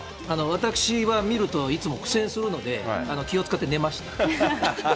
私は見ると、いつも苦戦するので、気をつかって寝ました。